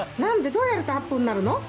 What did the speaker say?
どうやるとアップになるの？」